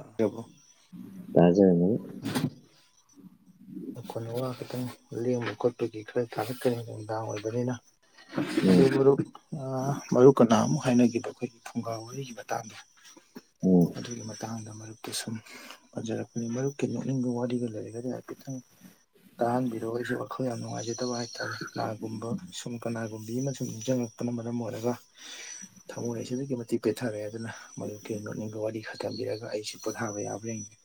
ꯑꯗꯕꯣ ꯇꯥꯖꯅꯤ ꯅꯈꯣꯟ ꯅꯋꯥ ꯈꯤꯇꯪ ꯂꯦꯡꯕ ꯈꯣꯠꯄꯒꯤ ꯈꯔ ꯊꯥꯒꯠꯀꯅꯤ ꯅꯨꯡꯗꯥꯡ ꯑꯣꯏꯕꯅꯤꯅ ꯑꯗꯨ ꯎꯝ ꯃꯔꯨꯞ ꯑ ꯃꯔꯨꯞꯀ ꯅꯥꯍ ꯑꯃꯨꯛ ꯍꯥꯏꯅꯒꯤꯗꯣ ꯑꯈꯣꯏꯒꯤ ꯐꯨꯡꯒꯥ ꯋꯥꯔꯤꯒꯤ ꯃꯇꯥꯡꯗ ꯎꯝ ꯑꯗꯨꯒꯤ ꯃꯇꯥꯡꯗ ꯃꯔꯨꯞꯀꯤ ꯁꯨꯝ ꯐꯖꯔꯛꯄꯅꯤ ꯃꯔꯨꯞꯀꯤ ꯅꯣꯛꯅꯤꯡꯕ ꯋꯥꯔꯤꯒ ꯂꯩꯔꯒꯗꯤ ꯍꯥꯏꯐꯦꯠꯇꯪ ꯇꯥꯍꯟꯕꯤꯔꯣꯛ ꯑꯩꯁꯦ ꯋꯥꯈꯜ ꯌꯥꯝ ꯅꯨꯡꯉꯥꯏꯖꯗꯕ ꯍꯥꯏꯇꯥꯔꯦ ꯀꯅꯥꯒꯨꯝꯕ ꯁꯨꯝ ꯀꯅꯥꯒꯨꯝꯕꯤ ꯑꯃ ꯁꯨꯝ ꯅꯤꯡꯖꯪ ꯑꯅꯝꯕꯅ ꯃꯣꯠꯔꯒ ꯊꯃꯣꯏ ꯑꯁꯤ ꯑꯗꯨꯛꯀꯤ ꯃꯇꯤꯛ ꯄꯦꯊꯔꯦ ꯑꯗꯨꯅ ꯃꯔꯨꯞꯀꯤ ꯅꯣꯠꯅꯤꯡꯕ ꯋꯥꯔꯤ ꯈ ꯊꯝꯕꯤꯔꯒ ꯑꯩꯁꯤ ꯄꯣꯊꯥꯕ ꯌꯥꯕ꯭ꯔꯥ ꯌꯦꯡꯒꯦ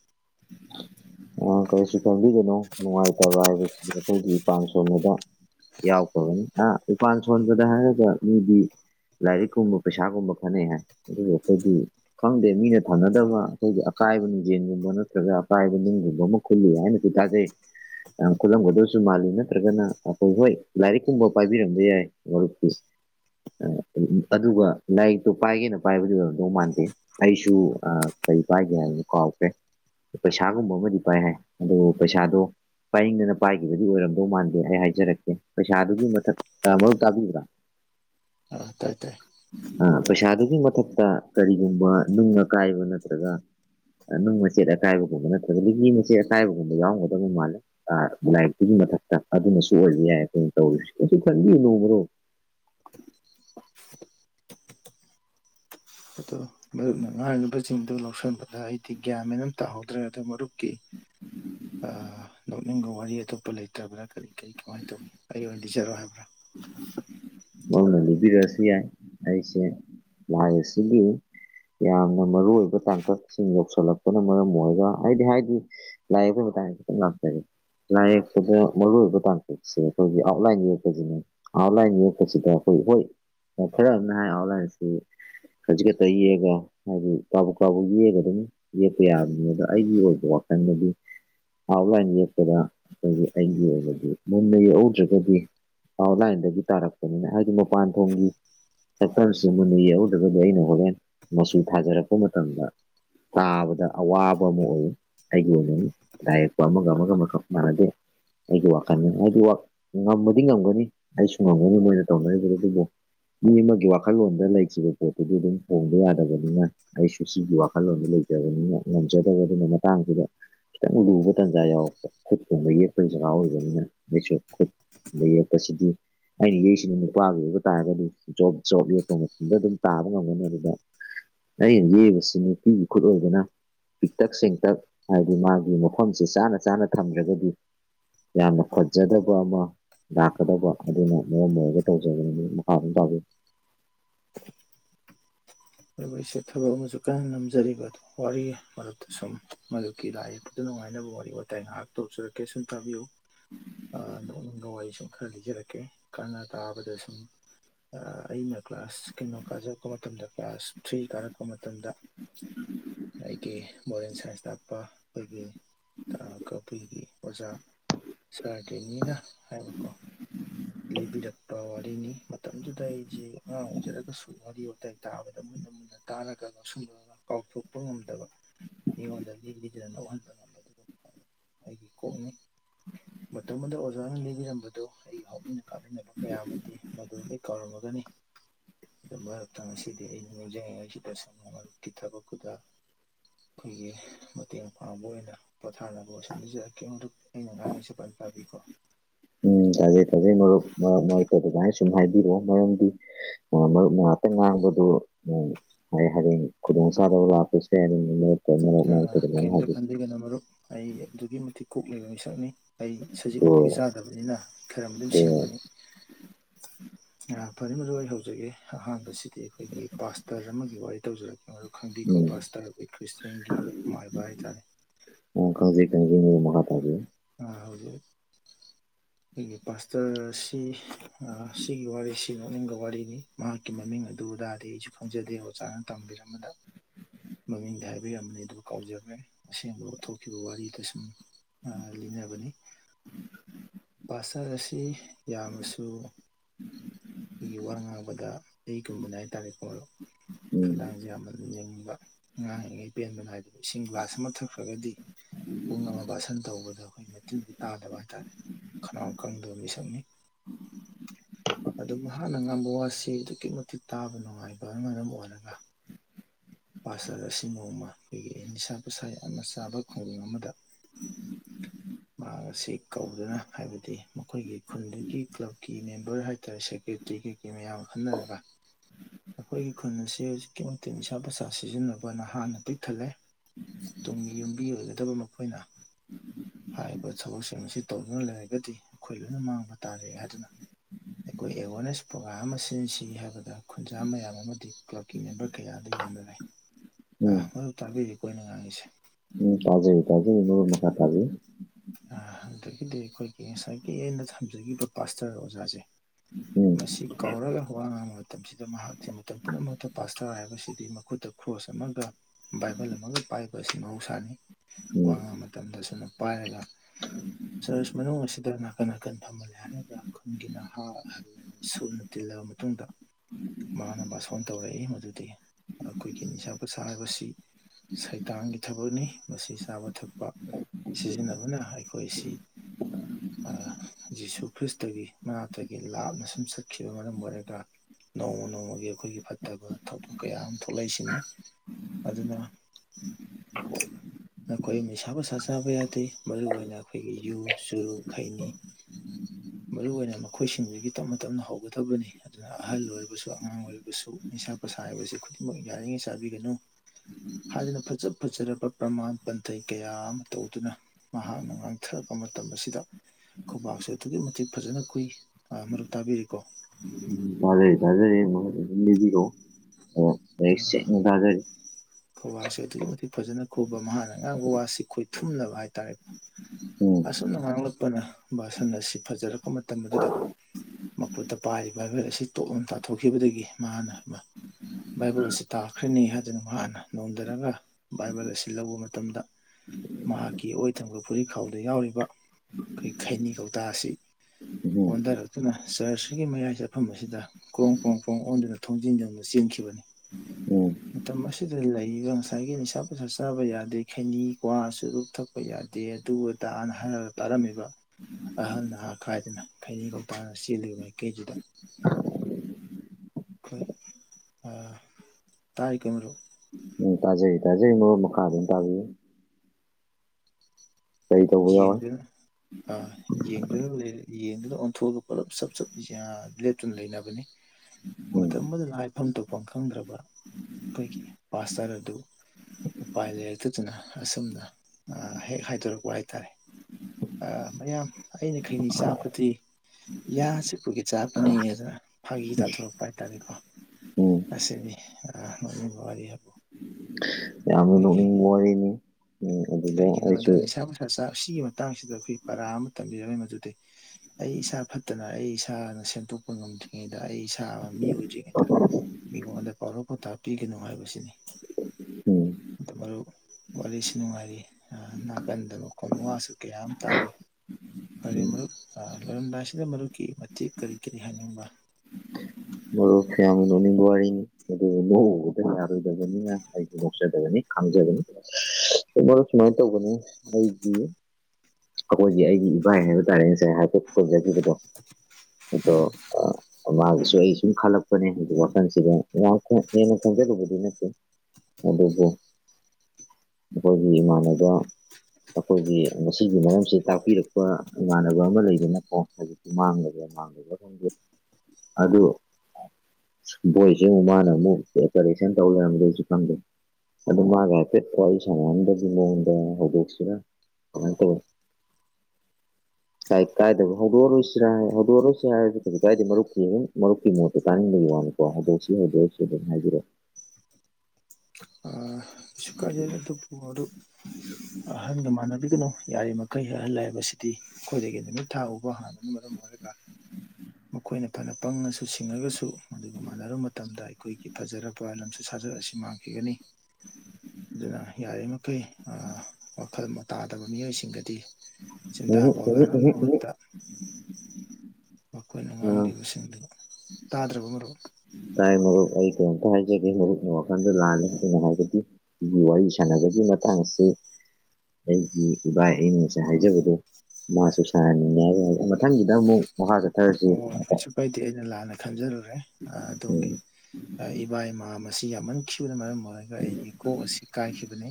ꯑ ꯀꯔꯤꯁꯨ ꯈꯪꯕꯤꯒꯅꯣ ꯅꯨꯡꯉꯥꯏꯇꯕ ꯍꯥꯏꯕꯁꯤꯗꯤ ꯑꯩꯈꯣꯏꯒꯤ ꯏꯄꯥꯟ ꯁꯣꯟꯕꯗ ꯌꯥꯎꯈ꯭ꯔꯕꯅꯤ ꯍ ꯏꯅꯤꯄꯥꯟ ꯁꯣꯟꯕꯗ ꯍꯥꯏꯔꯒ ꯃꯤꯗꯤ ꯂꯥꯏꯔꯤꯛꯀꯨꯝꯕ ꯄꯩꯁꯥꯒꯨꯝꯕ ꯈꯟꯅꯩ ꯍꯥꯏ ꯑꯗꯨꯕꯨ ꯑꯈꯣꯏꯗꯤ ꯈꯪꯗꯦ ꯃꯤꯅ ꯊꯝꯅꯗꯕ ꯑꯈꯣꯏꯒꯤ ꯑꯀꯥꯏꯕ ꯅꯨꯡꯖꯦꯟꯒꯨꯝꯕ ꯅꯠꯇ꯭ꯔꯒ ꯑꯀꯥꯏꯕ ꯅꯨꯡꯒꯨꯝꯕ ꯑꯃ ꯈꯨꯜꯂꯨꯔꯦ ꯍꯥꯏꯅꯁꯨ ꯇꯖꯩ ꯑ ꯈꯨꯜꯂꯝꯒꯗꯕꯁꯨ ꯃꯥꯜꯂꯤ ꯅꯠꯇ꯭ꯔꯒꯅ ꯑꯈꯣꯏ ꯍꯣꯏ ꯂꯥꯏꯔꯤꯛ ꯀꯨꯝꯕ ꯄꯥꯏꯕꯤꯔꯝꯕ ꯌꯥꯏ [unintelligible] ꯑ ꯑꯗꯨꯒ ꯂꯥꯏꯔꯤꯛꯇꯣ ꯄꯥꯏꯒꯦꯅ ꯄꯥꯏꯕꯗꯤ ꯑꯣꯏꯔꯝꯗꯧ ꯃꯥꯟꯗꯦ ꯑꯩꯁꯨ ꯑ ꯀꯔꯤ ꯄꯥꯏꯒꯦ ꯍꯥꯏꯕꯗꯨ ꯀꯥꯎꯈ꯭ꯔꯦ ꯄꯩꯁꯥꯒꯨꯝꯕ ꯑꯃꯗꯤ ꯄꯥꯏ ꯍꯥꯏ ꯑꯗꯨ ꯄꯩꯁꯥꯗꯣ ꯄꯥꯏꯅꯤꯗꯅ ꯄꯥꯏꯒꯤꯕꯗꯤ ꯑꯣꯏꯔꯝꯗꯧ ꯃꯥꯟꯗꯦ ꯑꯩ ꯍꯥꯏꯖꯔꯛꯀꯦ ꯄꯩꯁꯥꯗꯨꯒꯤ ꯃꯊꯛ ꯑ ꯃꯔꯨꯞ ꯇꯥꯕꯤꯕ꯭ꯔ ꯑ ꯇꯥꯏ ꯇꯥꯏ ꯑ ꯄꯩꯁꯥꯗꯨꯒꯤ ꯃꯊꯛꯇ ꯀꯔꯤꯒꯨꯝꯕ ꯅꯨꯡ ꯑꯀꯥꯏꯕ ꯅꯠꯇ꯭ꯔꯒ ꯅꯨꯡ ꯃꯆꯦꯠ ꯑꯀꯥꯏꯕꯒꯨꯝꯕ ꯅꯠꯇ꯭ꯔꯒ ꯂꯤꯛꯂꯤ ꯃꯆꯦꯠ ꯑꯀꯥꯏꯕꯒꯨꯝꯕ ꯌꯥꯎꯝꯒꯗꯕ ꯃꯥꯜꯂꯦ ꯑꯥ ꯂꯥꯏꯔꯤꯛꯇꯨꯒꯤ ꯃꯊꯛꯇ ꯑꯗꯨꯅꯁꯨ ꯑꯣꯢꯕ ꯌꯥꯏ ꯈꯣꯏꯅ ꯇꯧꯔꯤꯕꯁꯤ ꯀꯩꯁꯨ ꯈꯟꯕꯤꯌꯨ ꯅꯣꯡ [unintelligible] ꯑꯗꯨ ꯃꯔꯨꯞ ꯉꯥꯡꯉꯤꯕꯁꯤꯡꯗꯨ ꯂꯧꯁꯤꯟꯕꯗ ꯑꯩꯗꯤ ꯒ꯭ꯌꯥꯟ ꯃꯦꯟ ꯇꯥꯍꯧꯗ꯭ꯔꯦ ꯑꯗꯨ ꯃꯔꯨꯞꯀꯤ ꯑꯥ ꯂꯧꯅꯤꯡꯕ ꯋꯥꯔꯤ ꯑꯇꯣꯞꯄ ꯂꯩꯇꯕ꯭ꯔꯥ ꯀꯔꯤ ꯀꯔꯤ ꯀꯃꯥꯏꯅ ꯇꯧꯏ ꯑꯩ ꯑꯣꯏꯅ ꯂꯤꯖꯔꯛꯑꯣ ꯍꯥꯏꯕ꯭ꯔꯥ [inaudible] ꯃꯔꯨꯞꯅ ꯂꯤꯕꯤꯔꯛꯑꯁꯨ ꯌꯥꯏ ꯑꯩꯁꯦ ꯂꯥꯏ ꯑꯁꯤꯒꯤ ꯌꯥꯝꯅ ꯃꯔꯨ ꯑꯣꯏꯕ ꯇꯥꯡꯀꯛꯁꯤꯡ ꯌꯧꯁꯤꯜꯂꯛꯄꯅ ꯃꯔꯝ ꯑꯣꯏꯔꯒ ꯍꯥꯏꯗꯤ ꯍꯥꯏꯗꯤ ꯂꯥꯏ ꯌꯦꯡꯕꯒꯤ ꯃꯇꯥꯡꯗ ꯈꯤꯇꯪ ꯂꯥꯛꯆꯒꯦ ꯂꯥꯏ ꯌꯦꯛꯄꯗ ꯃꯔꯨꯑꯣꯏꯕ ꯇꯥꯡꯀꯛꯁꯦ ꯑꯩꯈꯣꯏꯒꯤ ꯑꯥꯎꯠꯂꯥꯏꯟ ꯌꯦꯛꯄꯁꯤꯅꯦ ꯑꯣꯟꯂꯥꯏꯟ ꯌꯣꯛꯄꯁꯤꯗ ꯑꯩꯈꯣꯏ ꯍꯣꯏ ꯈꯔ ꯑꯃꯅ ꯍꯥꯏ ꯑꯣꯟꯂꯥꯏꯟꯁꯤ ꯈꯥꯖꯤꯛ ꯈꯛꯇ ꯌꯦꯛꯒ ꯍꯥꯏꯗꯤ ꯀꯥꯕꯛ ꯀꯥꯕꯛ ꯌꯦꯛꯑꯒ ꯑꯗꯨꯝ ꯌꯦꯛꯄ ꯌꯥꯕꯅꯦꯕ ꯑꯗꯣ ꯑꯩꯒꯤ ꯑꯣꯏꯕ ꯋꯥꯈꯜꯗꯗꯤ ꯑꯥꯎꯠꯂꯥꯏꯟ ꯌꯦꯛꯄꯗ ꯑꯩꯈꯣꯏꯒꯤ ꯑꯩꯒꯤ ꯑꯣꯏꯕꯗꯤ ꯃꯨꯟꯅ ꯌꯦꯛꯍꯧꯗ꯭ꯔꯒꯗꯤ ꯑꯟꯂꯥꯏꯟꯗꯒꯤ ꯇꯥꯔꯛꯄꯅꯤꯅ ꯍꯥꯏꯗꯤ ꯃꯄꯥꯟ ꯊꯣꯡꯒꯤ ꯁꯛꯇꯝꯁꯤ ꯃꯨꯟꯅ ꯌꯧꯍꯧꯗ꯭ꯔꯒꯗꯤ ꯑꯩꯅ ꯍꯣꯔꯦꯟ ꯃꯆꯨ ꯊꯥꯖꯔꯛꯄ ꯃꯇꯝꯗ ꯇꯥꯕꯗ ꯑꯋꯥꯕ ꯑꯃ ꯑꯣꯏꯌꯦ ꯑꯩꯒꯤ ꯑꯣꯏꯕꯅꯤ ꯂꯥꯏ ꯌꯦꯡꯕ ꯑꯃꯒ ꯑꯃꯒ ꯃꯥꯟꯅꯗꯦ ꯑꯩꯒꯤ ꯋꯥꯈꯜ ꯑꯩꯗꯤ ꯉꯝꯕꯗꯤ ꯉꯝꯒꯅꯤ ꯑꯩꯁꯨ ꯉꯝꯒꯅꯤ ꯃꯣꯏꯅ ꯇꯧꯅꯔꯤꯕ ꯑꯗꯨꯕꯨ ꯃꯤ ꯑꯃꯒꯤ ꯋꯥꯈꯜꯂꯣꯟꯗ ꯂꯩꯈꯤꯕ ꯄꯣꯠꯇꯨꯗꯤ ꯑꯗꯨꯝ ꯍꯣꯡꯕ ꯌꯥꯗꯕꯅꯤꯅ ꯑꯩꯁꯨ ꯁꯤꯒꯤ ꯋꯥꯈꯜꯂꯣꯟꯗ ꯂꯩꯖꯕꯅꯤꯅ ꯉꯝꯖꯗꯕ ꯑꯗꯨꯅ ꯃꯇꯥꯡꯁꯤꯗ ꯈꯤꯇꯪ ꯂꯨꯕ ꯇꯥꯟꯖ ꯌꯥꯎꯔꯛꯄ ꯂꯩꯌꯦ [unintelligible] [unintelligible] ꯐꯣꯏ ꯆꯒꯥꯥ ꯑꯣꯏꯖꯅꯤꯁꯨꯠ ꯂꯩ [unintelligible] ꯃꯁꯤꯗꯤ ꯑꯩꯅ ꯌꯦꯡꯢꯁꯤꯅ ꯅꯨꯄꯥꯒꯤ ꯑꯣꯏꯕ ꯇꯥꯔꯒꯗꯤ ꯖꯣꯕ ꯖꯣꯕ ꯌꯦꯛꯄ ꯃꯇꯝꯗ ꯑꯗꯨꯝ ꯇꯥꯕ ꯉꯝꯒꯅꯤ ꯑꯗꯨꯗ ꯑꯩꯅ ꯌꯦꯛꯕꯁꯤ ꯅꯨꯄꯤꯒꯤ ꯈꯨꯠ ꯑꯣꯏꯕꯅ ꯄꯤꯛꯇꯛ ꯆꯦꯡꯇꯛ ꯍꯥꯏꯗꯤ ꯃꯥꯒꯤ ꯃꯐꯝꯁꯤ ꯆꯥꯅ ꯆꯥꯅ ꯊꯝꯗ꯭ꯔꯒꯗꯤ ꯌꯥꯝꯅ ꯐꯖꯗꯕ ꯑꯃ ꯂꯥꯛꯀꯗꯧꯕ ꯑꯗꯨꯅ ꯃꯑꯣꯡ [unintelligible] ꯇꯧꯖꯕꯅꯤ ꯃꯈꯥ ꯑꯗꯨꯝ ꯇꯥꯕꯤꯌꯨ ꯑꯗꯨꯒ ꯑꯩꯁꯦ ꯊꯕꯛ ꯑꯃꯁꯨ ꯀꯟꯅ ꯅꯝꯖꯔꯤꯕ ꯑꯗꯣ ꯋꯥꯔꯤ ꯃꯔꯛꯇ ꯁꯨꯝ ꯃꯔꯨꯞꯀꯤ ꯂꯥꯏ ꯌꯦꯛꯄꯗꯨ ꯅꯨꯡꯉꯥꯏꯅꯕ ꯋꯥꯔꯤ ꯋꯥꯇꯥꯏ ꯉꯥꯏꯍꯥꯛꯇ ꯇꯧꯖꯔꯛꯀꯦ ꯁꯨꯝ ꯇꯥꯕꯤꯌꯨ ꯅꯣꯛꯅꯤꯡꯕ ꯋꯥꯔꯤ ꯁꯨꯝ ꯈꯔ ꯂꯤꯖꯔꯛꯀꯦ ꯀꯅ ꯇꯥꯕꯗ ꯁꯨꯝ ꯑꯩꯅ ꯀ꯭ꯂꯥꯁ ꯀꯩꯅꯣ ꯀꯥꯖꯔꯛꯄ ꯃꯇꯝꯗ ꯀ꯭ꯂꯥꯁ ꯊ꯭ꯔꯤ ꯀꯥꯔꯛꯄ ꯃꯇꯝꯗ ꯑꯩꯒꯤ ꯃꯣꯔꯦꯟ ꯁꯥꯏꯟꯁ ꯀꯥꯛꯄ ꯑꯩꯈꯣꯏꯒꯤ ꯀꯥꯕꯨꯢꯒꯤ ꯑꯣꯖꯥ ꯁꯥꯔ ꯗꯦꯅꯤꯅ ꯍꯥꯏꯕꯀꯣ ꯂꯤꯕꯤꯔꯛꯄ ꯋꯥꯔꯤꯅꯤ ꯃꯇꯝꯗꯨꯗ ꯑꯩꯁꯦ ꯑꯉꯥꯡ ꯑꯣꯏꯖꯔꯒꯁꯨ ꯋꯥꯔꯤ ꯋꯥꯇꯥꯏ ꯇꯥꯕꯗ ꯃꯨꯟꯅ ꯇꯥꯔꯒ ꯁꯨꯝ ꯀꯥꯎꯊꯣꯛꯄ ꯉꯝꯗꯕ ꯃꯤꯉꯣꯟꯗ ꯂꯤ ꯂꯤꯗ ꯅꯣꯡꯉꯥꯟꯕ ꯉꯥꯝꯕꯗꯨꯕꯨ ꯑꯩꯒꯤ ꯀꯣꯛꯅꯤ ꯃꯇꯝ ꯑꯗꯨꯗ ꯑꯣꯖꯥꯅ ꯂꯤꯕꯤꯔꯝꯕꯗꯨ ꯑꯩ ꯍꯧꯃꯤꯟ ꯀꯥꯃꯤꯟꯅꯕ ꯀꯌꯥ ꯑꯃꯗꯤ ꯃꯗꯨꯗꯒꯤ ꯀꯥꯎꯔꯝꯃꯒꯅꯤ [unintelligible] ꯉꯁꯤꯗꯦ ꯑꯩ ꯅꯌꯖ ꯆꯗ ꯁꯃ ꯃꯔꯔꯛ ꯀꯤ ꯊꯄꯛ ꯀ ꯈꯨꯊ [unintelligible] ꯑꯩꯈꯣꯏꯒꯤ ꯃꯇꯦꯡ ꯄꯥꯡꯕ ꯑꯣꯏꯅ ꯄꯣꯊꯥꯅꯕ ꯁꯨꯝ ꯂꯤꯖꯔꯛꯀꯦ ꯑꯩꯅ ꯉꯥꯡꯕꯤꯔꯤꯁꯦ ꯐꯖꯅ ꯇꯥꯕꯤꯀꯣ ꯎꯝ ꯇꯖꯩ ꯇꯖꯩ ꯃꯔꯨꯞ ꯃꯔꯛ ꯃꯔꯛꯇ ꯑꯗꯨꯃꯥꯏꯅ ꯁꯨꯝ ꯍꯥꯏꯕꯤꯔꯛꯑꯣ ꯃꯔꯝꯗꯤ ꯃꯔꯨꯞ ꯉꯥꯛꯇꯪ ꯉꯥꯡꯕꯗꯨ ꯎꯝ ꯍꯌꯦꯡ ꯈꯨꯗꯣꯡ ꯆꯥꯗꯕ ꯂꯥꯛꯄꯁꯦ ꯌꯥꯢ ꯑ ꯀꯩꯝꯇ ꯈꯟꯕꯤꯒꯅꯣ ꯃꯔꯨꯞ ꯑꯩ ꯑꯗꯨꯛꯀꯤ ꯃꯇꯤꯛ ꯀꯣꯛꯂꯩꯕ ꯃꯤꯁꯛꯅꯤ ꯑꯩ ꯁꯖꯤꯛꯃꯨꯛꯀꯤ ꯆꯥ ꯗꯕꯅꯤꯅ ꯈꯔꯝ ꯑꯗꯨꯝ ꯁꯤꯡꯕꯅꯤ ꯑ ꯐꯔꯦ ꯃꯔꯨꯞ ꯑꯩ ꯍꯧꯖꯒꯦ ꯑꯍꯥꯟꯕꯁꯤꯗꯤ ꯈꯣꯏꯒꯤ ꯄꯥꯁꯇꯔ ꯑꯃꯒꯤ ꯋꯥꯔꯤ ꯇꯧꯖꯔꯛ ꯃꯔꯨꯞ ꯈꯪꯕꯤ ꯀꯣ ꯎꯝ ꯄꯥꯁꯇꯔ ꯈꯣꯏ ꯈ꯭ꯔꯤꯁꯇꯦꯟꯒꯤ ꯃꯥꯏꯕ ꯍꯥꯏꯇꯥꯔꯦ ꯎꯝ ꯈꯪꯖꯩ ꯈꯪꯖꯩ ꯃꯔꯨꯞ ꯃꯈꯥ ꯇꯥꯕꯤꯌꯨ ꯑꯥ ꯍꯧꯖꯤꯛ ꯑꯩꯒꯤ ꯄꯥꯁꯇꯔꯁꯤ ꯑ ꯁꯤꯒꯤ ꯋꯥꯔꯤꯁꯤ ꯅꯣꯛꯅꯤꯡꯕ ꯋꯥꯔꯤꯅꯤ ꯃꯍꯥꯛꯀꯤ ꯃꯃꯤꯡ ꯑꯗꯨ ꯑꯗꯥꯗꯤ ꯑꯩꯁꯨ ꯈꯪꯖꯗꯦ ꯑꯣꯖꯥꯅ ꯇꯝꯕꯤꯔꯝꯕꯗ ꯃꯃꯤꯡꯗ ꯍꯥꯏꯕꯤꯔꯝꯃꯤꯗꯨ ꯀꯥꯎꯖꯒ꯭ꯔꯦ ꯑꯁꯦꯡꯕ ꯊꯣꯛꯈꯤꯕ ꯋꯔꯤꯗ ꯁꯨꯝ ꯑ ꯂꯤꯅꯕꯅꯤ ꯄꯥꯁꯜ ꯑꯁꯤ ꯌꯥꯝꯅꯁꯨ ꯑꯩꯒꯤ ꯋꯥ ꯉꯥꯡꯕꯗ ꯑꯩꯒꯨꯝꯕꯅꯦ ꯍꯥꯏꯇꯥꯔꯦ ꯄꯣꯔꯣ ꯎꯝ ꯈꯗꯥꯥꯡꯖꯤ ꯌꯥꯝꯅ ꯑꯗꯨꯝ ꯂꯤꯡꯕ ꯉꯥꯡꯉꯤꯒꯩ ꯄꯦꯟꯕꯅ ꯅꯥꯏꯗꯕ ꯏꯁꯤꯡ ꯒ꯭ꯂꯥꯁ ꯑꯃ ꯊꯛꯈ꯭ꯔꯒꯗꯤ ꯄꯨꯡ ꯑꯃ ꯕꯥꯁꯟ ꯇꯧꯕꯗ ꯑꯈꯣꯏꯒꯤ ꯃꯇꯤꯟꯗꯤ ꯇꯥꯗꯕ ꯍꯥꯏꯇꯥꯔꯦ ꯈꯅꯥꯎ ꯀꯪꯗꯕ ꯃꯤꯁꯛꯅꯤ ꯑꯗꯨꯝ ꯃꯍꯥꯛꯅ ꯉꯥꯡꯕ ꯋꯥꯁꯤ ꯑꯗꯨꯛꯀꯤ ꯃꯇꯤꯛ ꯇꯥꯕ ꯅꯨꯡꯉꯥꯏꯕꯅ ꯃꯔꯝ ꯑꯣꯏꯔꯒ ꯄꯥꯁꯇꯔ ꯑꯁꯤ ꯅꯣꯡꯃ ꯈꯣꯏꯒꯤ ꯅꯤꯁꯥ ꯄꯨꯁꯥ ꯌꯥꯝꯅ ꯆꯥꯕ ꯈꯨꯡꯒꯪ ꯑꯃꯗ [inaudible] ꯃꯍꯥꯛ ꯑꯁꯤ ꯀꯧꯗꯨꯅ ꯍꯥꯏꯕꯗꯤ ꯃꯈꯣꯏꯒꯤ ꯈꯨꯟꯗꯨꯒꯤ ꯀ꯭ꯂꯕꯀꯤ ꯃꯦꯝꯕꯔ ꯍꯥꯏꯇꯥꯔꯦ ꯁꯦ ꯀꯦ ꯀꯩ ꯀꯦꯀꯩ ꯃꯌꯥꯝ ꯈꯟꯅꯔꯒ ꯑꯈꯣꯏꯒꯤ ꯈꯨꯟ ꯑꯁꯤ ꯍꯧꯖꯤꯛꯀꯤ ꯃꯇꯤꯡ ꯅꯤꯁ ꯄꯁꯥ ꯁꯤꯖꯤꯟꯅꯕ ꯅꯍꯥꯅ ꯄꯤꯛ ꯊꯜꯂꯦ ꯇꯨꯡꯒꯤ ꯌꯨꯝꯕꯤ ꯑꯣꯏꯒꯗꯕ ꯃꯈꯣꯏꯅ ꯍꯥꯏꯕ ꯊꯕꯛꯁꯤꯡ ꯑꯁꯤ ꯇꯧꯗꯨꯅ ꯂꯩꯔꯒꯗꯤ ꯑꯈꯣꯏ ꯂꯣꯏꯅ ꯃꯥꯡꯕ ꯇꯥꯔꯦ ꯍꯥꯏꯗꯨꯅ ꯑꯩꯈꯣꯏ ꯑꯦꯋꯥꯔꯅꯦꯁ ꯄ꯭ꯔꯣꯒ꯭ꯔꯥꯝ ꯑꯃ ꯁꯤꯟꯁꯤ ꯍꯥꯏꯕꯗ ꯈꯨꯟꯖꯥ ꯃꯌꯥꯝ ꯑꯃꯗꯤ ꯀ꯭ꯂꯞꯀꯤ ꯃꯦꯝꯕꯔ ꯀꯌꯥ ꯑꯗꯨ ꯌꯥꯅꯔꯦ ꯎꯝ ꯑꯥ ꯃꯔꯨꯞ ꯇꯥꯕꯤꯔꯤꯀꯣ ꯑꯩꯅ ꯉꯥꯡꯉꯤꯁꯦ ꯎꯝ ꯇꯥꯖꯩ ꯇꯥꯖꯩ ꯃꯔꯨꯞ ꯃꯈꯥ ꯇꯥꯕꯤꯌꯨ ꯑ ꯑꯗꯒꯤꯗꯤ ꯑꯩꯈꯣꯏꯒꯤ ꯁꯥꯏꯒꯤ ꯑꯩꯅ ꯁꯝꯖꯒꯤꯕ ꯄꯥꯁꯇꯔ ꯑꯣꯖꯥꯖꯦ ꯎꯝ ꯃꯁꯤ ꯀꯧꯔꯒ ꯋꯥ ꯉꯥꯡꯕ ꯃꯇꯝꯁꯤꯗ ꯃꯍꯥꯛꯁꯤ ꯃꯇꯝ ꯄꯨꯝꯅꯃꯛꯇ ꯄꯥꯁꯇꯔ ꯍꯥꯏꯕꯁꯤꯗꯤ ꯃꯈꯨꯠꯇ ꯈ꯭ꯔꯣꯁ ꯑꯃꯒ ꯕꯥꯏꯕꯜ ꯑꯃꯒ ꯄꯥꯏꯕ ꯑꯁꯤ ꯃꯍꯧꯁꯥꯅꯤ ꯋꯥ ꯎꯝ ꯉꯥꯡ ꯃꯇꯝꯗ ꯁꯨꯝꯅ ꯄꯥꯏꯔꯒ ꯆꯔꯁ ꯃꯅꯨꯡ ꯑꯁꯤꯗ ꯅꯥꯀꯟ ꯅꯥꯀꯟ ꯐꯝꯃꯜꯂꯦ ꯍꯥꯏꯔꯒ ꯈꯨꯟꯒꯤ ꯅꯍꯥ ꯑꯍꯜ ꯂꯃꯟ ꯁꯨꯅ ꯇꯤꯜꯂꯕ ꯃꯇꯨꯡꯗ ꯃꯥꯅ ꯕꯥꯁꯣꯟ ꯇꯧꯔꯛꯏ ꯃꯗꯨꯗꯤ ꯑꯈꯣꯏꯒꯤ ꯅꯤꯁꯥ ꯄꯁꯥ ꯍꯥꯏꯕꯁꯤ ꯁꯩꯇꯥꯡꯒꯤ ꯊꯕꯛꯅꯤ ꯃꯁꯤ ꯆꯥꯕ ꯊꯛꯄ ꯁꯤꯖꯤꯟꯅꯕꯅ ꯑꯩꯈꯣꯏꯁꯤ ꯑ ꯖꯤꯁꯨ ꯈ꯭ꯔꯤꯁꯇꯒꯤ ꯃꯅꯥꯛꯇꯒꯤ ꯂꯥꯞꯅ ꯁꯨꯝ ꯆꯠꯈꯤꯕ ꯃꯔꯝ ꯑꯣꯏꯔꯒ ꯅꯣꯡꯃ ꯅꯣꯡꯃꯒꯤ ꯑꯈꯣꯏꯒꯤ ꯐꯠꯇꯕ ꯊꯧꯗꯣꯛ ꯀꯌꯥꯑꯝ ꯊꯣꯛꯂꯛꯏꯁꯤꯅꯤ ꯑꯗꯨꯅ [inaudible] ꯅꯈꯣꯏ ꯅꯤꯁꯥ ꯄꯁꯥ ꯆꯥꯕ ꯌꯥꯗꯦ ꯃꯔꯨ ꯑꯣꯏꯅ ꯑꯈꯣꯏꯒꯤ ꯌꯨ ꯆꯨꯔꯨꯞ ꯈꯥꯏꯅꯤ ꯃꯔꯨ ꯑꯣꯏꯅ ꯃꯈꯣꯏꯁꯤꯡꯗꯒꯤ ꯇꯞꯅ ꯇꯞꯅ ꯍꯧꯒꯗꯕꯅꯤ ꯑꯗꯨꯅ ꯑꯍꯜ ꯑꯣꯏꯔꯕꯁꯨ ꯑꯉꯥꯡ ꯑꯣꯏꯔꯕꯁꯨ ꯅꯤꯁꯥ ꯄꯁꯥ ꯍꯥꯏꯕꯁꯤ ꯈꯨꯗꯤꯡꯃꯛ ꯌꯥꯔꯤꯉꯩ ꯆꯥꯕꯤꯒꯅꯨ ꯍꯥꯏꯗꯅ ꯐꯖ ꯐꯖꯔꯕ ꯄ꯭ꯔꯃꯥꯟ ꯄꯟꯊꯩ ꯀꯌꯥ ꯑꯃ ꯇꯧꯗꯨꯅ ꯃꯍꯥꯛꯅ ꯉꯥꯡꯊꯔꯛꯄ ꯃꯇꯝ ꯑꯁꯤꯗ ꯈꯨꯕꯥꯛꯁꯦ ꯑꯗꯨꯛꯀꯤ ꯃꯇꯤꯛ ꯐꯖꯅ ꯈꯨꯏ ꯑ ꯃꯔꯨꯞ ꯇꯥꯕꯤꯔꯤꯀꯣ ꯇꯥꯖꯔꯤ ꯇꯥꯖꯔꯤ ꯑꯗꯨꯝ ꯂꯤꯕꯤꯔꯛꯑꯣ ꯑꯥ ꯃꯥꯌꯦꯛ ꯁꯦꯡꯅ ꯇꯥꯖꯔꯤ ꯈꯨꯋꯥꯁꯦ ꯑꯗꯨꯛꯀꯤ ꯃꯇꯤꯛ ꯐꯖꯅ ꯈꯨꯕ ꯃꯍꯥꯛꯅ ꯑꯉꯥꯡꯕ ꯋꯥꯁꯤ ꯈꯣꯏꯊꯨꯝꯅꯕ ꯍꯥꯏꯇꯥꯔꯦ ꯎꯝ ꯑꯁꯨꯝꯅ ꯉꯥꯡꯂꯛꯄꯅ ꯕꯥꯁꯟ ꯑꯁꯤ ꯐꯖꯔꯛꯄ ꯃꯇꯝ ꯑꯗꯨꯗ ꯃꯈꯨꯠꯇ ꯄꯥꯏꯔꯤꯕ ꯍ [unintelligible] ꯑꯁꯤ ꯇꯣꯞ ꯂꯥꯎꯅ ꯇꯥꯊꯣꯛꯈꯤꯕꯗꯒꯤ ꯃꯥꯅ ꯕꯥꯏꯕꯜ ꯑꯁꯤ ꯇꯥꯈ꯭ꯔꯅꯤ ꯍꯥꯏꯗꯨꯅ ꯃꯍꯥꯛꯅ ꯅꯣꯝꯊꯔꯒ ꯕꯥꯏꯕꯜ ꯑꯁꯤ ꯂꯧꯕ ꯃꯇꯝꯗ ꯃꯍꯥꯛꯀꯤ ꯑꯣꯏ ꯊꯥꯡꯕ ꯐꯨꯔꯤꯈꯥꯎꯗ ꯌꯥꯎꯔꯤꯕ ꯑꯩꯈꯣꯏ ꯈꯩꯅꯤ ꯀꯧꯇꯥ ꯑꯁꯤ ꯎꯝ ꯑꯣꯟꯊꯔꯛꯇꯨꯅ ꯆꯔꯁꯁꯤꯒꯤ ꯃꯌꯥꯏ ꯆꯠꯐꯝ ꯑꯁꯤꯗ ꯀ꯭ꯔꯣꯡ ꯀ꯭ꯔꯣꯡ ꯑꯣꯟꯗꯨꯅ ꯊꯣꯡꯖꯤꯟ ꯌꯧꯅ ꯆꯦꯟꯈꯤꯕꯅꯤ ꯎꯝ ꯃꯇꯝ ꯑꯁꯤꯗ ꯂꯩꯒ ꯉꯁꯥꯏꯒꯤ ꯅꯤꯁꯥ ꯄꯩꯁꯥ ꯆꯥꯕ ꯌꯥꯗꯦ ꯈꯩꯅꯤ ꯀ꯭ꯋꯥꯁꯨ ꯆꯨꯔꯨꯞ ꯊꯛꯄ ꯌꯥꯗꯦ ꯑꯗꯨ ꯇꯅ ꯍ ꯇꯥꯔꯝꯃꯤꯕ ꯑꯍꯜ ꯅꯍꯥ ꯈꯥꯏꯗꯅ ꯈꯩꯅꯤ ꯈꯧꯇꯅ ꯆꯦꯜꯂꯤꯕ ꯃꯥꯏꯀꯩꯗꯨꯗ ꯑꯩꯈꯣꯏ ꯇꯥꯏꯒꯣ ꯃꯔꯨꯞ ꯎꯝ ꯇꯥꯖꯩ ꯇꯥꯖꯩ ꯃꯔꯨꯞ ꯃꯈꯥ ꯑꯗꯨꯝ ꯇꯥꯕꯤꯌꯨ ꯀꯔꯤ ꯇꯧꯕ ꯌꯥꯎꯋꯤ ꯌꯦꯡꯗꯨꯅ ꯑꯥ ꯌꯦꯡꯗꯨꯅ ꯌꯦꯡꯗꯨꯅ ꯑꯣꯟꯊꯣꯛꯑꯒ ꯄꯨꯂꯞ ꯆꯞ ꯆꯞ ꯂꯦꯞꯇꯨꯅ ꯂꯩꯅꯕꯅꯤ ꯎꯝ ꯃꯇꯝ ꯑꯗꯨꯗ ꯍꯥꯏꯐꯝ ꯇꯧꯐꯝ ꯈꯪꯗ꯭ꯔꯕ ꯑꯩꯈꯣꯏꯒꯤ ꯄꯥꯁꯇꯔ ꯑꯗꯨ ꯎꯄꯥꯏ ꯂꯩꯔꯛꯇꯗꯨꯅ ꯑꯁꯨꯝꯅ ꯍꯦꯛ ꯍꯥꯏꯗꯣꯔꯛꯄ ꯍꯥꯏ ꯍꯥꯏꯇꯥꯔꯦ ꯃꯌꯥꯝ ꯑꯩꯅ ꯈꯩꯅꯤ ꯆꯥꯕꯗꯤ ꯌꯥ ꯆꯤꯛꯄꯒꯤ ꯆꯥꯄꯅꯦ ꯐꯥꯒꯤ ꯇꯥꯊꯣꯔꯛꯄ ꯍꯥꯏꯇꯥꯔꯦꯀꯣ ꯎꯝ ꯑꯁꯤꯅꯤ ꯅꯣꯛꯅꯤꯡꯕ ꯋꯥꯔꯤ ꯍꯥꯏꯕꯨ ꯌꯥꯝꯅ ꯑꯩꯈꯣꯏꯒꯤ ꯅꯣꯛꯅꯤꯡꯕ ꯋꯥꯔꯤꯅꯤ ꯎꯝ [inaudible] ꯀꯩꯒꯤꯅꯣꯗ ꯅꯤꯁꯥ ꯅꯨꯡꯁꯥ ꯆꯥꯛꯕ ꯁꯤꯒꯤ ꯃꯇꯥꯡꯁꯤꯗ ꯑꯩꯈꯣꯏ ꯄꯔꯥ ꯑꯃ ꯇꯝꯕꯤꯔꯝꯃꯤ ꯃꯗꯨꯗꯤ ꯑꯩ ꯏꯁꯥ ꯐꯠꯇꯅ ꯑꯩ ꯏꯁꯥꯅ ꯁꯦꯝꯗꯣꯛꯄ ꯉꯝꯗ꯭ꯔꯤꯉꯩꯗ ꯑꯩ ꯏꯁꯥ ꯃꯤ ꯑꯣꯏꯗ꯭ꯔꯤꯉꯩꯗ ꯃꯤꯉꯣꯟꯗ ꯄꯥꯎꯔꯧ ꯄꯥꯎꯇꯥꯛ ꯄꯤꯒꯅꯨ ꯁꯤꯅꯤ ꯎꯝ ꯑꯗꯨ ꯃꯔꯨꯞ ꯋꯥꯔꯤꯁꯤ ꯅꯨꯡꯉꯥꯏꯔꯤ ꯅꯥꯀꯟꯗ ꯃꯈꯣꯡ ꯑꯋꯥꯁꯨ ꯀꯌꯥ ꯑꯃ ꯇꯥꯔꯤ ꯐꯔꯦ ꯎꯝ ꯃꯔꯨꯞ ꯂꯣꯢꯔꯝꯗꯥꯏꯁꯤꯗ ꯃꯔꯨꯞꯀꯤ ꯃꯇꯦꯛ ꯀꯔꯤ ꯀꯔꯤ ꯍꯥꯏꯅꯤꯡꯕ ꯃꯔꯨꯞ ꯌꯥꯝꯅ ꯅꯣꯛꯅꯤꯡꯕ ꯋꯥꯔꯤꯅꯤ ꯑꯗꯨꯗꯨ ꯂꯧ [unintelligible] ꯎꯕꯗ ꯌꯥꯔꯣꯏꯗꯕꯅꯤꯅ ꯑꯩꯁꯨ ꯅꯣꯛꯆꯗꯕꯅꯤ ꯈꯪꯖꯕꯅꯤ [unintelligible] ꯁꯨꯃꯥꯏꯅ ꯇꯧꯕꯅꯤ ꯑꯩꯒꯤ ꯑꯩꯈꯣꯏꯒꯤ ꯑꯩꯒꯤ ꯏꯕꯥꯏ ꯍꯥꯏꯕ ꯇꯥꯔꯦ ꯉꯁꯥꯏ ꯍꯥꯏꯐꯦꯠ ꯇꯧꯖꯈꯤꯕꯗꯣ ꯎꯝ ꯑꯗꯣ ꯃꯃꯥꯡꯗꯁꯨ ꯑꯩꯅ ꯁꯨꯝ ꯈꯥꯜꯂꯛ ꯍꯥꯏꯖꯤꯛ ꯋꯥꯈꯜꯁꯤꯗ ꯌꯥꯝ ꯀꯥ ꯍꯦꯟꯅ ꯈꯥꯟꯖꯤꯜꯂꯧꯕꯗꯤ ꯅꯠꯇꯦ ꯑꯗꯨꯕꯨ ꯃꯈꯣꯏꯒꯤ ꯏꯃꯥꯟꯅꯕ ꯑꯩꯈꯣꯏꯒꯤ ꯉꯁꯤꯒꯤ ꯃꯔꯝꯁꯤ ꯇꯥꯛꯄꯤꯔꯛꯄ ꯏꯃꯥꯟꯅꯕ ꯑꯃ ꯂꯩꯗꯅꯀꯣ ꯍꯥꯏ ꯏꯃꯥꯡꯂꯦꯃꯥꯡ [unintelligible] [inaudible] ꯑꯗꯨ ꯚꯣꯏꯁꯤ ꯑꯃꯨꯛ ꯃꯥꯅ ꯑꯃꯨꯛ ꯗꯦꯀꯔꯦꯁꯟ ꯇꯧ ꯂꯩꯔꯝꯗꯣꯢꯅꯦ ꯈꯪꯗꯦ ꯑꯗꯨ ꯃꯥꯒ ꯍꯥꯏꯐꯦꯠ ꯋꯥꯔꯤ ꯁꯥꯟꯅꯕꯒꯤ ꯃꯑꯣꯟꯗ ꯍꯧꯗꯣꯛꯁꯤꯔꯥ ꯑꯖꯨꯃꯥꯢꯅ ꯇꯧꯋꯦ [inaudible] ꯀꯥꯏ ꯀꯥꯏꯗꯕ ꯍꯧꯗꯣꯔꯣꯏꯁꯤꯔꯥ ꯍꯥꯏ ꯍꯧꯗꯣꯔꯣꯏꯁꯤ ꯍꯥꯏꯔꯗꯤ ꯀꯩꯁꯨ ꯀꯥꯏꯗꯦ ꯃꯔꯨꯞꯀꯤꯅꯤ ꯃꯔꯨꯞꯀꯤ ꯃꯣꯠ ꯇꯥꯅꯤꯡꯕꯩ ꯋꯥꯅꯤꯀꯣ ꯍꯧꯗꯣꯛꯁꯤ ꯍꯧꯗꯣꯛꯑꯣꯏꯁꯤ ꯑꯗꯨꯝ ꯍꯥꯏꯕꯤꯔꯛꯎ ꯑꯥ ꯀꯩꯁꯨ ꯀꯥꯏꯗꯦ ꯑꯗꯨꯕꯨ ꯑꯗꯨ ꯑꯍꯟꯒ ꯃꯥꯟꯅꯕꯤꯒꯅꯨ ꯌꯥꯔꯤꯕꯃꯈꯩ ꯑꯍꯜ ꯍꯥꯏꯕꯁꯤꯗꯤ ꯑꯩꯈꯣꯏꯗꯒꯤ ꯅꯨꯃꯤꯠ ꯊꯥ ꯎꯕ ꯍꯥꯟꯕꯅ ꯃꯔꯝ ꯑꯣꯏꯔꯒ ꯃꯈꯣꯏꯅ ꯐꯅ ꯄꯪꯉꯁꯨ ꯁꯤꯡꯉꯒꯁꯨ ꯃꯗꯨꯒ ꯃꯥꯟꯅꯔꯨ ꯃꯇꯝꯗ ꯑꯩꯈꯣꯏꯒꯤ ꯐꯖꯔꯕ ꯂꯝꯆꯠ ꯁꯥꯖꯠ ꯑꯁꯤ ꯃꯥꯡꯈꯤꯒꯅꯤ ꯑꯗꯨꯅ ꯌꯥꯔꯤꯃꯩ ꯑ ꯋꯥꯈꯜ ꯇꯥꯗꯕ ꯃꯤꯑꯣꯏꯁꯤꯡꯒꯗꯤ ꯆꯤꯟꯗ ꯎꯝꯍꯨꯝ ꯎꯝꯍꯨꯝ ꯄꯥꯎꯗꯅꯕꯒꯤ ꯎꯝꯍꯨꯝ ꯎꯝꯍꯨꯝ ꯃꯍꯨꯠꯇ ꯃꯈꯣꯏꯅ ꯑꯥ ꯉꯥꯡꯂꯤꯕꯁꯤꯡꯗꯨ ꯇꯥꯗ꯭ꯔꯕ ꯃꯔꯨꯞ ꯇꯥꯏ ꯃꯔꯨꯞ ꯑꯩ ꯀꯔꯤꯝꯇ ꯍꯥꯏꯖꯒꯦ ꯃꯔꯨꯞꯀꯤ ꯋꯥꯈꯟꯗ ꯂꯥꯟꯜꯂꯦ ꯑꯩꯅ ꯍꯥꯏꯔꯕꯗꯤ [unintelligible] ꯋꯥꯔꯤ ꯁꯥꯟꯅꯕꯒꯤ ꯃꯇꯥꯡꯁꯤ ꯑꯩꯒꯤ ꯏꯚꯥꯏ ꯑꯩꯅ ꯉꯁꯥꯏ ꯍꯥꯏꯖꯕꯗꯣ ꯃꯥꯁꯨ ꯁꯥꯍꯟꯅꯤꯡꯉꯦ [unintelligible] ꯃꯊꯪꯒꯤꯗ ꯑꯃꯨꯛ ꯃꯈꯥ ꯆꯠꯊꯔꯁꯤ ꯑꯣ ꯀꯩꯁꯨ ꯎꯝ ꯀꯥꯏꯗꯦ ꯑꯩꯅ ꯂꯥꯟꯅ ꯈꯟꯖ ꯑꯗꯣꯝꯒꯤ ꯏꯕꯥ ꯏꯃꯥ ꯃꯁꯤ ꯌꯥꯝꯃꯟꯈꯤꯕꯅ ꯃꯔꯝ ꯑꯣꯏ [unintelligible] ꯑꯩꯒꯤ ꯀꯣꯛ ꯑꯁꯤ ꯀꯥꯏꯈꯤꯕꯅꯤ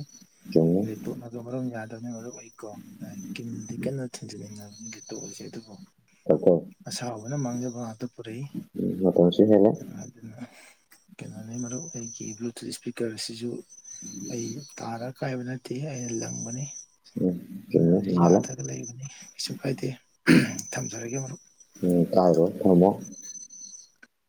ꯆꯨꯝꯃꯦ ꯂ ꯇꯣꯠꯅꯕ ꯃꯔꯝ ꯌꯥꯗꯕꯅꯤ ꯃꯔꯝ ꯑꯩꯀꯣ ꯀꯤꯝꯗꯤ ꯀꯟꯅ ꯊꯤꯟꯖꯤꯟꯅꯤꯡꯉꯕꯅꯤꯗꯤ ꯇꯣꯂꯁꯦ ꯑꯗꯨꯕꯨ [unintelligible] ꯑꯁꯥꯎꯕꯅ ꯃꯥꯡꯖꯕ ꯉꯥꯛꯇ ꯄꯨꯔꯛꯏ ꯎꯝ ꯃꯇꯝꯁꯨ ꯍꯦꯜꯂꯦ ꯑꯗꯨꯅ ꯀꯩꯅꯣꯅꯤ ꯃꯔꯨꯞ ꯑꯩꯒꯤ ꯕ꯭ꯂꯨꯇꯨꯠ ꯏꯁꯄꯤꯀꯔ ꯑꯁꯤꯖꯨ ꯑꯩ ꯇꯥꯔ ꯀꯥꯏꯕ ꯅꯠꯇꯦ ꯑꯩꯅ ꯂꯪꯕꯅꯤ ꯎꯝ ꯆꯨꯝꯃꯦ [unintelligible] ꯅꯥꯍꯜꯂꯣ ꯌꯥꯗ꯭ꯔꯒ ꯂꯩꯕꯅꯤ ꯀꯩꯁꯨ ꯀꯥꯏꯗꯦ ꯊꯝꯖꯔꯒꯦ ꯃꯔꯨꯞ ꯎꯝ ꯀꯥꯏꯔꯣ ꯊꯝꯃꯣ